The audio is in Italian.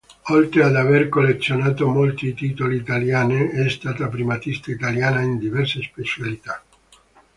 Oltre ad aver collezionato molti titoli italiani, è stata primatista italiana in diverse specialità.